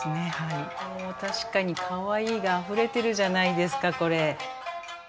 もう確かにカワイイがあふれてるじゃないですかこれ。